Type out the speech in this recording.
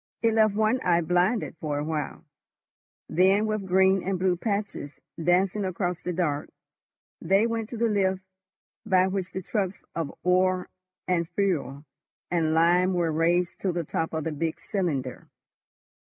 It left one eye blinded for a while. Then, with green and blue patches dancing across the dark, they went to the lift by which the trucks of ore and fuel and lime were raised to the top of the big cylinder.